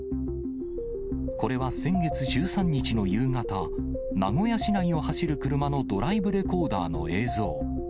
これは先月１３日の夕方、名古屋市内を走る車のドライブレコーダーの映像。